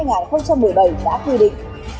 năm hai nghìn một mươi bảy đã quy định